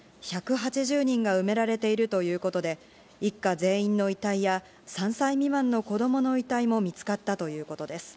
１８０人が埋められているということで一家全員の遺体や３歳未満の子供の遺体も見つかったということです。